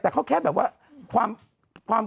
แต่แค่แบบว่า